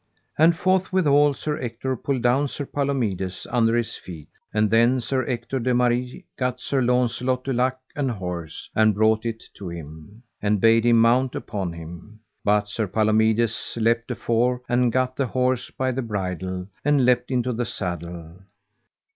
And forthwithal Sir Ector pulled down Sir Palomides under his feet; and then Sir Ector de Maris gat Sir Launcelot du Lake an horse, and brought it to him, and bade him mount upon him; but Sir Palomides leapt afore and gat the horse by the bridle, and leapt into the saddle.